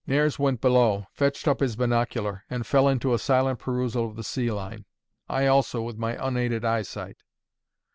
Nares went below, fetched up his binocular, and fell into a silent perusal of the sea line; I also, with my unaided eyesight.